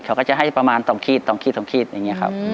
เขาก็จะให้ประมาณ๒ขีด๒ขีด๒ขีดอย่างนี้ครับ